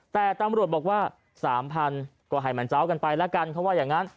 แต่ตำรวจบอกว่า๓๐๐๐ก็ให้มันเจ้ากันไปแล้วกันเขาว่าอย่างนั้น